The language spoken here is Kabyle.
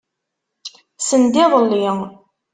Send-iḍelli.